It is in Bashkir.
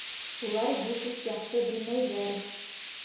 Улар бик үк яҡшы белмәйҙәр